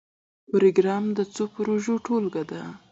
پروګرام د څو پروژو ټولګه ده